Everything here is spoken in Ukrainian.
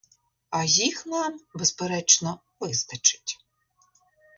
А їх нам, безперечно, вистачить.